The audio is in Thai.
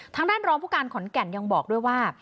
ทางด้านรองผู้การขอนแก่นยังบอกด้วยว่า